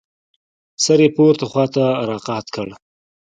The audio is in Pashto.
سر يې پورته خوا راقات کړ.